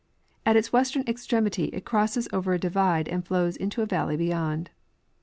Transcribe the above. At its western extremity it crosses over a divide and flows into a valley beyond.